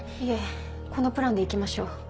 いえこのプランで行きましょう。